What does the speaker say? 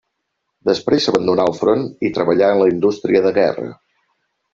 Després abandonà el front i treballà en la indústria de guerra.